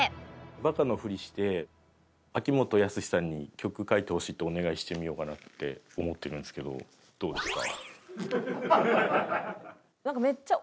バカのふりして秋元康さんに曲書いてほしいってお願いしてみようかなって思ってるんですけどどうですか？